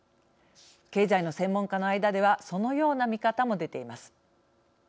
経済の専門家の間ではそのような見方もでています。